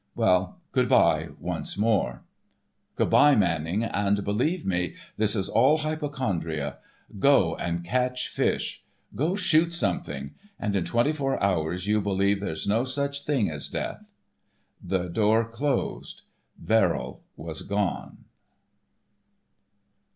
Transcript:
Well, good by once more." "Good by, Manning, and believe me, this is all hypochondria. Go and catch fish. Go shoot something, and in twenty four hours you'll believe there's no such thing as death." The door closed. Verrill was gone.